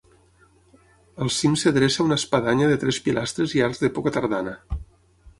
Al cim es dreça una espadanya de tres pilastres i arcs d'època tardana.